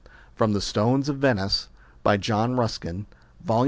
From The, Stones of Venice, by John Ruskin, vol.